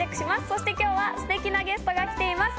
そして今日はステキなゲストが来ています。